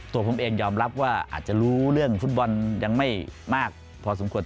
ตัวผมเองยอมรับว่าอาจจะรู้เรื่องฟุตบอลยังไม่มากพอสมควร